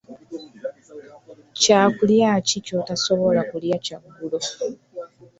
Kyakulya ki ky'otosobola kulya kyaggulo?